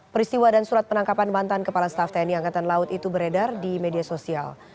peristiwa dan surat penangkapan mantan kepala staf tni angkatan laut itu beredar di media sosial